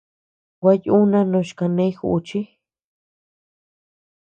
Gua yuuna noch kanee juchi.